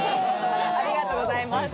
ありがとうございます。